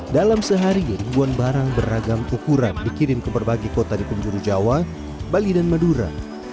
dalam sehari ribuan barang beragam ukuran dikirim ke berbagai kota di penjuru jawa bali dan madura